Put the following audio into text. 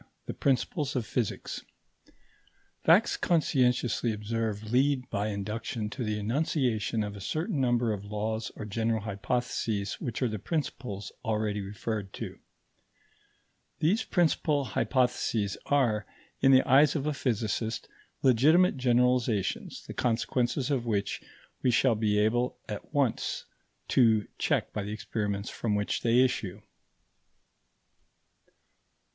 THE PRINCIPLES OF PHYSICS Facts conscientiously observed lead by induction to the enunciation of a certain number of laws or general hypotheses which are the principles already referred to. These principal hypotheses are, in the eyes of a physicist, legitimate generalizations, the consequences of which we shall be able at once to check by the experiments from which they issue.